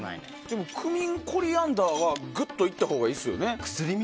クミン、コリアンダーはぐっといったほうがいいですよね。